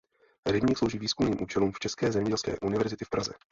Rybník slouží výzkumným účelům České zemědělské univerzity v Praze.